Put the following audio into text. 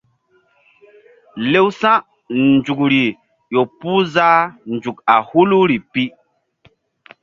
Lewsa̧ nzukri ƴo puh zah nzuk a huluri pi.